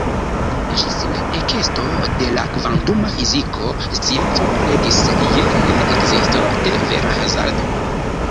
Ĝis la ekesto de la kvantuma fiziko scienco kredis je ne-ekzisto de vera hazardo.